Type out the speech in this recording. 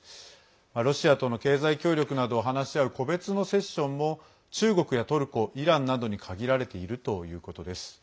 ロシアとの経済協力などを話し合う個別のセッションも中国やトルコ、イランなどにかぎられているということです。